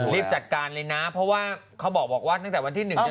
รีบจัดการเลยนะเพราะว่าเขาบอกว่าตั้งแต่วันที่๑เนี่ย